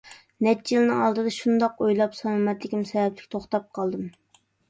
نەچچە يىلنىڭ ئالدىدا شۇنداق ئويلاپ، سالامەتلىكىم سەۋەبلىك توختاپ قالدىم.